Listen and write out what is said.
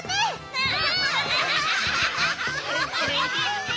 うん！